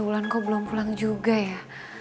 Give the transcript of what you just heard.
wulan kok belum pulang juga ya